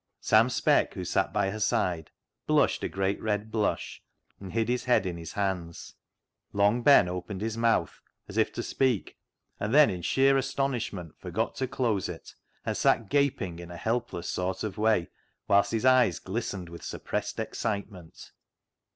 Sam Speck, who sat by her side, blushed a great red blush, and hid his head in his hands. Long Ben opened his mouth as if to speak, and then in sheer astonishment forgot to close it, and sat gaping in a helpless sort of way. " BULLET" PIE 199 whilst his eyes glistened with suppressed excite ment.